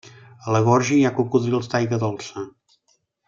A la gorja hi ha cocodrils d'aigua dolça.